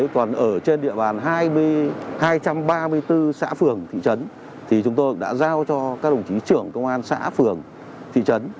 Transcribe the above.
còn ở trên địa bàn hai trăm ba mươi bốn xã phường thị trấn thì chúng tôi đã giao cho các đồng chí trưởng công an xã phường thị trấn